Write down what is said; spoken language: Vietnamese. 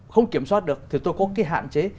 không kiểm soát được thì tôi có cái hạn chế